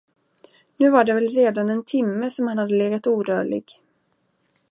Nu var det väl redan en timme, som han hade legat orörlig.